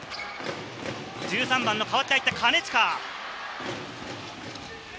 １３番の代わって入った金近。